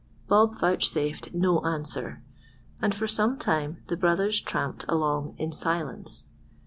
Bob vouchsafed no answer, and for some time the brothers tramped along in silence.